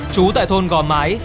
trú tại thôn gò mái